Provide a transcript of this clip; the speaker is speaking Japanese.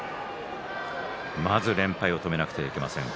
まず連敗を止めなければいけません